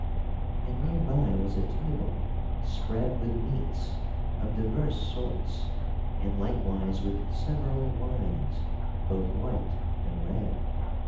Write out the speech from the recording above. And near by was a table spread with meats of divers sorts and likewise with several wines, both white and red.